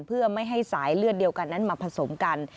เพื่อไม่ให้สายเลือดเดียวกันนั้นมาผสมกัน